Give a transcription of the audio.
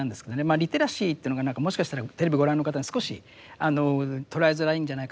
リテラシーというのが何かもしかしたらテレビご覧の方に少し捉えづらいんじゃないかなと思うんですけども。